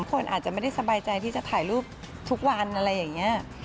คนอาจจะไม่ได้สบายใจที่จะถ่ายรูปทุกวันอะไรอย่างนี้